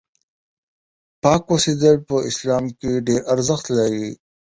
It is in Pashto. پاک اوسېدل په اسلام کې ډېر ارزښت لري.